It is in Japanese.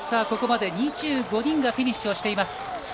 ここまで２５人がフィニッシュをしています。